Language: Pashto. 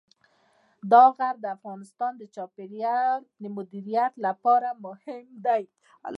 دا غر د افغانستان د چاپیریال د مدیریت لپاره مهم دی.